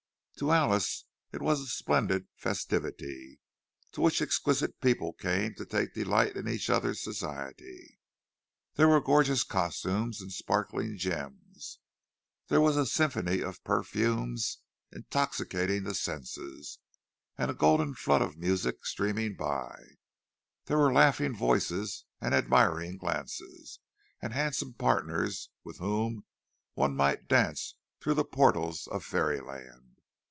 To Alice it was a splendid festivity, to which exquisite people came to take delight in each other's society. There were gorgeous costumes and sparkling gems; there was a symphony of perfumes, intoxicating the senses, and a golden flood of music streaming by; there were laughing voices and admiring glances, and handsome partners with whom one might dance through the portals of fairyland.